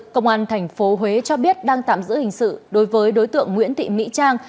công an tp huế cho biết đang tạm giữ hình sự đối với đối tượng nguyễn thị mỹ trang